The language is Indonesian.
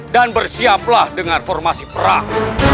dan bersiaplah dengan formasi perang